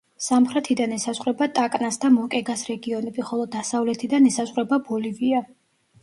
სამხრეთიდან ესაზღვრება ტაკნას და მოკეგას რეგიონები, ხოლო დასავლეთიდან ესაზღვრება ბოლივია.